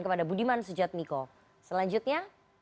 kepada budiman sujadmiko selanjutnya